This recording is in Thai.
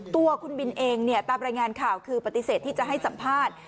ตัวคุณบินเองเนี่ยตามรายงานข่าวคือปฏิเสธที่จะให้สัมภาษณ์